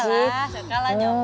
suka lah nyomut